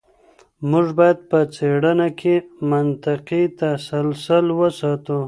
موږ باید په څېړنه کې منطقي تسلسل وساتو.